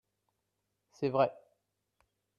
C’est vrai